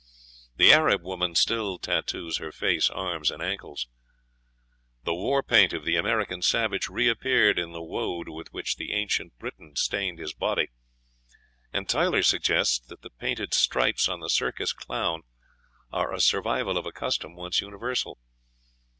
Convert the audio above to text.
The Arab woman still tattoos her face, arms, and ankles. The war paint of the American savage reappeared in the woad with which the ancient Briton stained his body; and Tylor suggests that the painted stripes on the circus clown are a survival of a custom once universal.